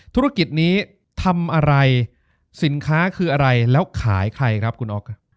ธุรกิจนี้ทำอะไรสินค้าคืออะไรแล้วขายใครครับคุณอ๊อก